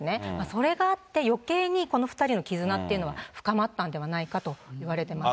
それがあって、よけいにこの２人の絆っていうのは、深まったのではないかといわれていますね。